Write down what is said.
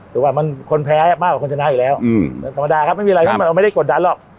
แต่ว่ามันคนแพ้มากกว่าคนชนะอยู่แล้วธรรมดาครับไม่มีอะไรเพราะมันเราไม่ได้กดดันหรอก